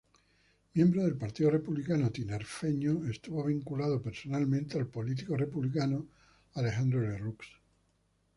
Miembro del Partido Republicano Tinerfeño, estuvo vinculado personalmente al político republicano Alejandro Lerroux.